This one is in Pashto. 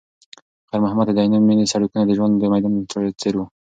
خیر محمد ته د عینومېنې سړکونه د ژوند د میدان په څېر وو.